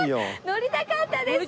乗りたかったです。